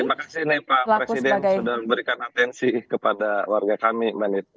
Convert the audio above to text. terima kasih nih pak presiden sudah memberikan atensi kepada warga kami